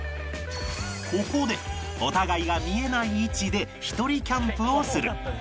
ここでお互いが見えない位置でひとりキャンプをする